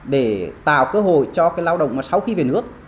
để tạo cơ hội cho cái lao động mà sau khi về nước